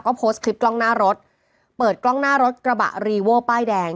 ก็โพสต์คลิปกล้องหน้ารถเปิดกล้องหน้ารถกระบะรีโว้ป้ายแดง